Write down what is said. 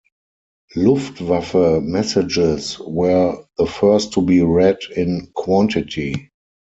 Luftwaffe messages were the first to be read in quantity.